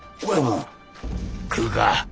食うか。